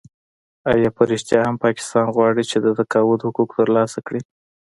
آیا په رښتیا هم پاکستان غواړي چې د تقاعد حقوق ترلاسه کړي؟